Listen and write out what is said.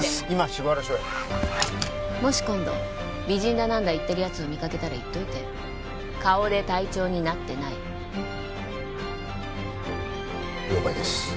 今芝浦署へもし今度美人だ何だ言ってるやつを見かけたら言っといて顔で隊長になってない了解です